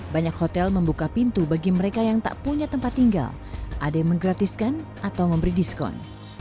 banyak hotel membuka pintu bagi mereka yang tak punya tempat tinggal ada yang menggratiskan atau memberi diskon